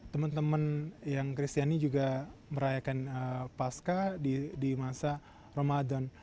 teman teman yang kristiani juga merayakan pasca di masa ramadan